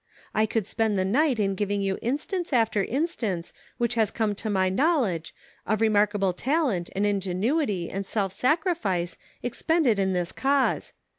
I could spend the night in giving you instance after instance which has come to my knowledge of remarkable talent, and ingenuity, and self sacrifice, expended in this cause.